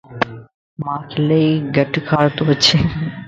مانک الائي گٽ کارتواچي